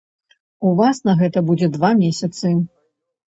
У вас на гэта будзе два месяцы.